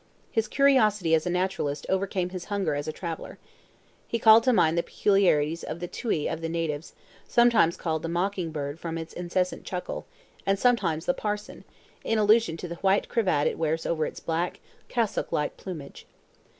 His curiosity as a naturalist overcame his hunger as a traveler. He called to mind the peculiarities of the "tui" of the natives, sometimes called the mocking bird from its incessant chuckle, and sometimes "the parson," in allusion to the white cravat it wears over its black, cassock like plumage.